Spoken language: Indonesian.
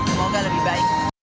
semoga lebih baik